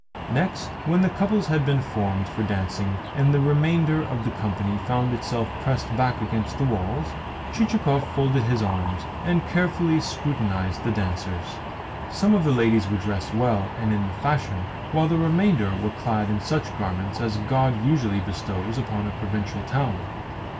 Next, when couples had been formed for dancing and the remainder of the company found itself pressed back against the walls, Chichikov folded his arms, and carefully scrutinised the dancers. Some of the ladies were dressed well and in the fashion, while the remainder were clad in such garments as God usually bestows upon a provincial town.